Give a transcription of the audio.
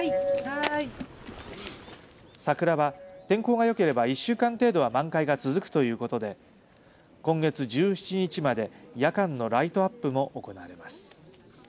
桜は天候がよければ１週間程度は満開が続くということで今月１７日まで夜間のライトアップも行われます。